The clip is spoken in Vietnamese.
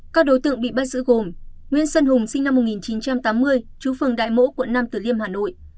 các đối tượng bị bắt giữ gồm nguyên sân hùng sinh năm một nghìn chín trăm tám mươi chú phường đại mỗ quận năm tử liêm hà nội